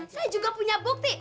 saya juga punya bukti